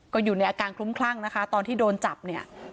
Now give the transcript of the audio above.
ก็อยู่ในอาการคลุ้มคลั่งนะคะตอนที่โดนจับเนี่ย